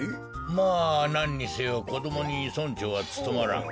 まあなんにせよこどもに村長はつとまらん。